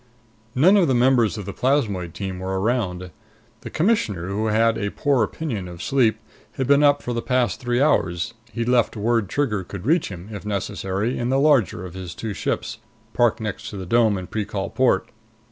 None of the members of the plasmoid team were around. The Commissioner, who had a poor opinion of sleep, had been up for the past three hours; he'd left word Trigger could reach him, if necessary, in the larger of his two ships, parked next to the dome in Precol Port.